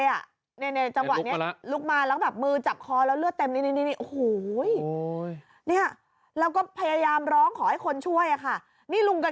จังหวะนี้ลุกมาแล้วแบบมือจับคอแล้วเลือดเต็มเนี้ยโหเนี่ยแล้วก็พยายามร้องขอให้คนช่วย